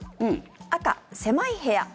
赤、狭い部屋。